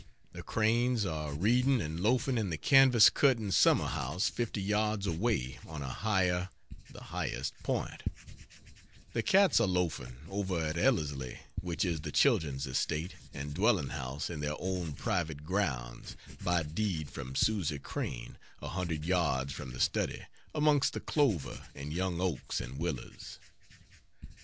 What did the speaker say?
The Cranes are reading and loafing in the canvas curtained summer house 50 yards away on a higher (the highest) point; the cats are loafing over at "Ellerslie" which is the children's estate and dwellinghouse in their own private grounds (by deed from Susie Crane) a hundred yards from the study, amongst the clover and young oaks and willows.